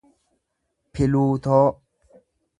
piluutoo